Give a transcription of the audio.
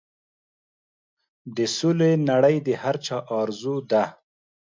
د سولې نړۍ د هر چا ارزو ده.